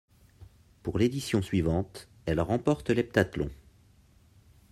Pour l'édition suivante, elle remporte l'heptathlon.